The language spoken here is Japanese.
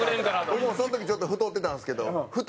俺もその時ちょっと太ってたんですけど太